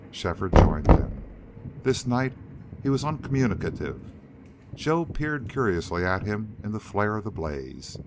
Shefford joined them. This night he was uncommunicative. Joe peered curiously at him in the flare of the blaze.